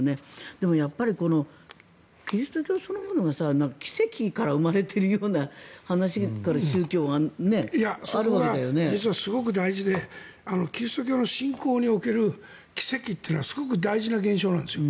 でもやっぱりキリスト教そのものが奇跡から生まれてるような話からそこはすごく大事でキリスト教の信仰における奇跡というのはすごく大事な現象なんです。